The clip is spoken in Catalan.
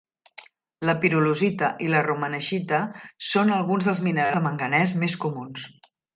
La pirolusita i la romanechita són alguns dels minerals de manganès més comuns.